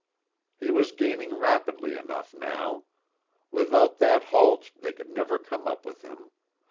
He was gaining rapidly enough now. Without that halt they could never come up with him.